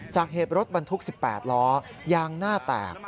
จากเหตุรถบรรทุก๑๘ล้อยางหน้าแตก